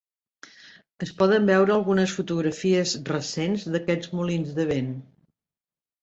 Es poden veure algunes fotografies recents d'aquests molins de vent.